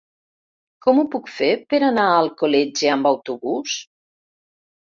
Com ho puc fer per anar a Alcoletge amb autobús?